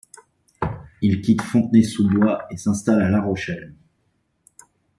Il quitte Fontenay-sous-Bois et s'installe à La Rochelle.